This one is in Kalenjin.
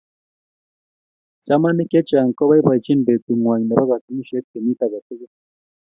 Chamaniik chechang koboibochini betung'wai nebo katunisyet kenyiit age tugul.